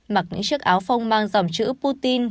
mặc những chiếc áo phông mang dòng chữ putin